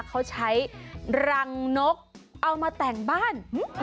เขาใช้รังนกเอามาแต่งบ้าน